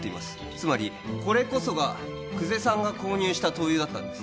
つまりこれこそが久世さんが購入した灯油だったんです